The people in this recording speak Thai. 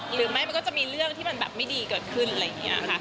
หรือไม่มันก็จะมีเรื่องที่มันแบบไม่ดีเกิดขึ้นอะไรอย่างนี้ค่ะ